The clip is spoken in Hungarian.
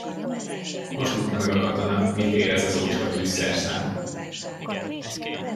Most tudta meg a katona, mit ér az az ócska tűzszerszám.